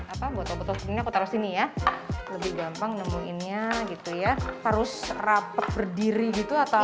apa botol botol ini aku taruh sini ya lebih gampang nemuinnya gitu ya harus rapat berdiri gitu atau